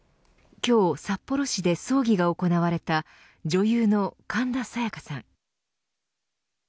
今日、札幌市で葬儀が行われた女優の神田沙也加さん。